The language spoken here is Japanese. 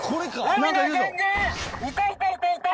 いたいたいたいた！